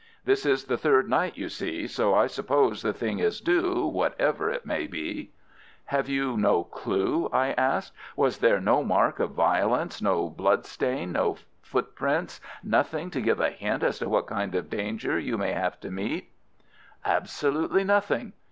This is the third night, you see, so I suppose the thing is due, whatever it may be." "Have you no clue?" I asked. "Was there no mark of violence, no blood stain, no footprints, nothing to give a hint as to what kind of danger you may have to meet?" "Absolutely nothing.